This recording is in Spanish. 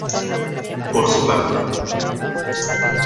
Por su parte.